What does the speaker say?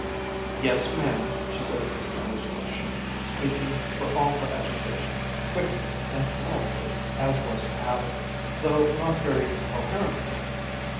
"Yes, ma'am," she said, to Miss Miller's question, speaking, for all her agitation, quickly and fluently as was her habit, though not very coherently.